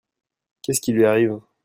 Qu'est-ce qui lui arrive ?